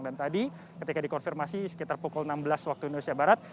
dan tadi ketika dikonfirmasi sekitar pukul enam belas waktu indonesia barat